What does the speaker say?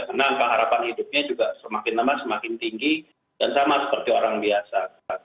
karena keharapan hidupnya juga semakin lemah semakin tinggi dan sama seperti orang biasa